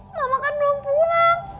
mama kan belum pulang